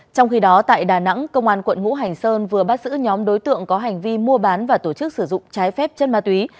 trong khi đó tại đà nẵng công an quận ngũ hành sơn vừa bắt giữ nhóm đối tượng có hành vi mua bán và tổ chức sử dụng trái phép chất ma túy